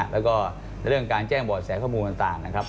แล้วก็เรื่องการแจ้งบ่อแสข้อมูลต่างนะครับ